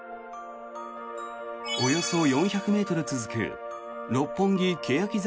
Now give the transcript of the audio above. およそ４００ｍ続く六本木・けやき坂